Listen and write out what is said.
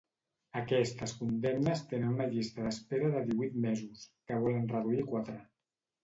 Aquestes condemnes tenen una llista d'espera de divuit mesos, que volen reduir a quatre.